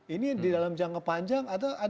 ini di dalam jangka panjang